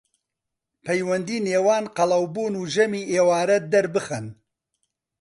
پەیوەندی نێوان قەڵەوبوون و ژەمی ئێوارە دەربخەن